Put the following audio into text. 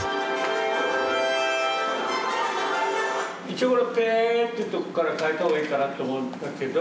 一応この「ペ」というとこから変えた方がいいかなと思うんだけど。